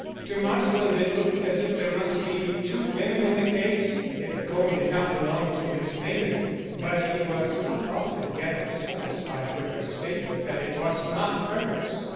To Marsland it looked as if there must be two women in the case if the comb did not belong to Miss Maynard. But he was not altogether satisfied with her statement that it was not hers.